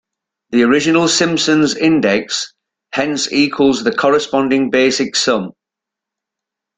The original Simpson's index hence equals the corresponding basic sum.